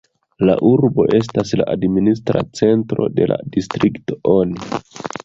La urbo estas la administra centro de la distrikto Oni.